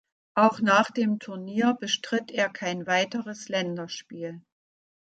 Auch nach dem Turnier bestritt er kein weiteres Länderspiel.